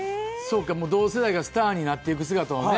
同世代がスターになっていく姿をね。